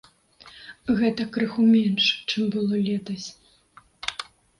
Гэта крыху менш, чым было летась.